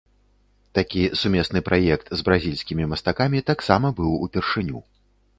Такі сумесны праект з бразільскімі мастакамі таксама быў упершыню.